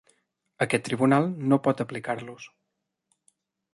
Aquest tribunal no pot aplicar-los.